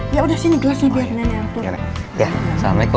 yaudah sini kelasnya biar nenek angkat